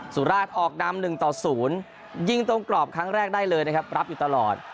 สุราชออกนำ๑ต่อ๐ยิงตรงกรอบครั้งแรกได้เลยนะครับรับอยู่ตลอด